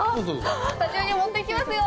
スタジオにも持っていきますよ！